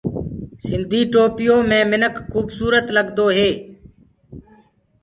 سِنڌي ٽوپيو مي منک کُبسورت لگدو هي۔